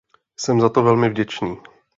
Jsem za to velmi vděčný.